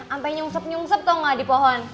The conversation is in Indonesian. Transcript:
sampe nyungsep nyungsep tau gak di pohon